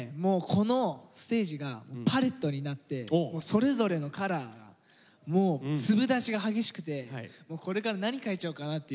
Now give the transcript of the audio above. このステージがパレットになってそれぞれのカラーも粒立ちが激しくてこれから何描いちゃおうかなっていう気分になっちゃいましたね。